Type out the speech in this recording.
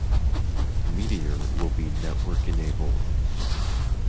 Meteor will be 'network-enabled'.